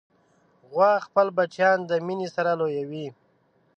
غوا خپل بچیان د مینې سره لویوي.